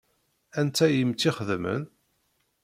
Anta i m-tt-ixedmen?